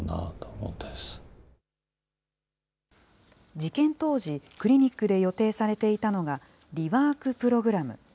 事件当時、クリニックで予定されていたのが、リワーク・プログラム。